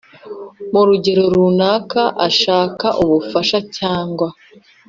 Mu rugero runaka ashaka ubufasha cyangwa